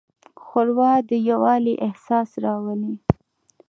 ښوروا د یووالي احساس راولي.